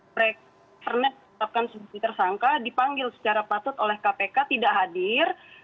pernah tetapkan sisi tersangka dipanggil secara patut oleh kpk tidak hadir